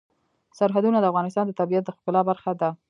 سرحدونه د افغانستان د طبیعت د ښکلا برخه ده.